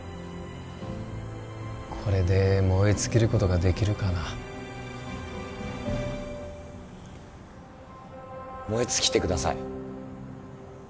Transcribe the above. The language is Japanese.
これで燃え尽きることができるかな燃え尽きてください